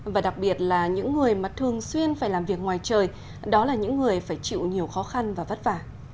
và đặc biệt là những người mà thường xuyên phải làm việc ngoài trời đó là những người phải chịu nhiều khó khăn và vất vả